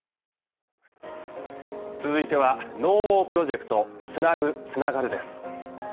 続いてはＮＯＷＡＲプロジェクトつなぐつながるです